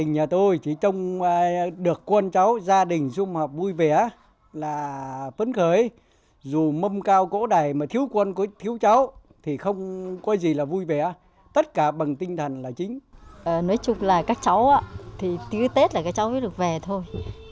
nói chung là các cháu tí tết là các cháu mới được về thôi